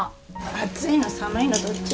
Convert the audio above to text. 暑いの寒いのどっち？